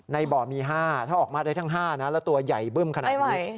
ในบ่อมี๕ถ้าออกมาได้ทั้ง๕นะแล้วตัวใหญ่บึ้มขนาดนี้